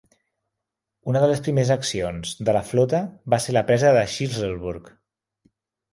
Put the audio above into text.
Una de les primeres accions de la flota va ser la presa de Shlisselburg.